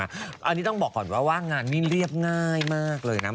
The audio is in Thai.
อันนี้ต้องบอกก่อนว่างานนี้เรียบง่ายมากเลยนะ